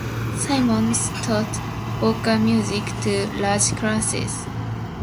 Simonds taught vocal music to large classes.